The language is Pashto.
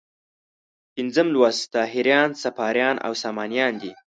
پنځم لوست طاهریان، صفاریان او سامانیان دي.